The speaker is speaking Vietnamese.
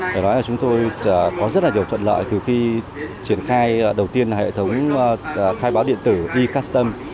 để nói là chúng tôi có rất là nhiều thuận lợi từ khi triển khai đầu tiên hệ thống khai báo điện tử e custom